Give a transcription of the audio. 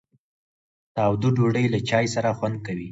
تاوده ډوډۍ له چای سره خوند کوي.